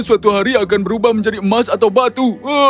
suatu hari akan berubah menjadi emas atau batu